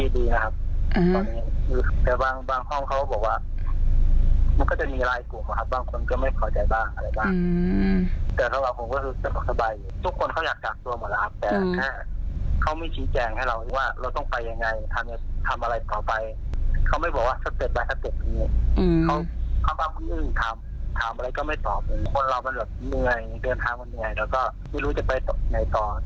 เดือนทำมันเหนื่อยแล้วก็ไม่รู้จะไปไหนต่อ